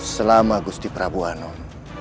selama gusti prabu anum